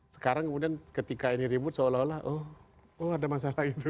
sekarang kemudian ketika ini ribut seolah olah oh ada masalah itu